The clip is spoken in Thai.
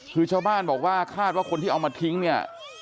คือชาวบ้านบอกว่าคาดว่าคนที่เอามาทิ้งเนี่ย